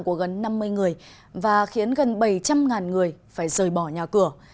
của gần năm mươi người và khiến gần bảy trăm linh người phải rời bỏ nhà cửa